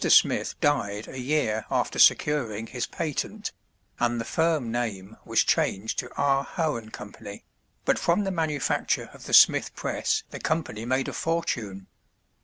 Smith died a year after securing his patent, and the firm name was changed to R. Hoe & Co., but from the manufacture of the Smith press the company made a fortune.